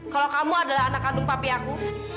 kalau kamu adalah anak kandung papi aku